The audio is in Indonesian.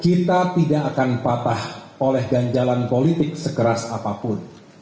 kita tidak akan patah oleh ganjalan politik sekeras apapun